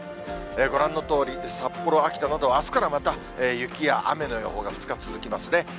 ご覧のとおり、札幌、秋田などはあすからまた、雪や雨の予報が２日続きますね。